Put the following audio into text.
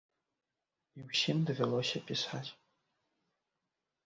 І ўсім давялося пісаць.